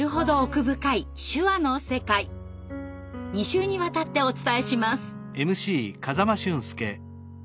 ２週にわたってお伝えします。